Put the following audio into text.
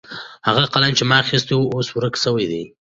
هغه قلم چې ما اخیستی و اوس ورک سوی دی.